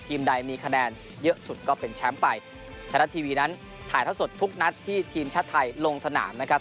ใดมีคะแนนเยอะสุดก็เป็นแชมป์ไปไทยรัฐทีวีนั้นถ่ายเท่าสดทุกนัดที่ทีมชาติไทยลงสนามนะครับ